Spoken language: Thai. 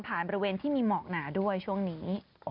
ผ่านบริเวณที่มีเหมาะหนาด้วยช่วงนี้